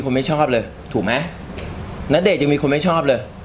ขนาดพี่เบิร์ดยังมีคนไม่ชอบเลย